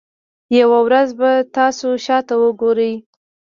یوه ورځ به تاسو شاته وګورئ.